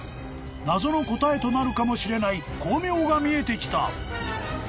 ［謎の答えとなるかもしれない光明が見えてきた］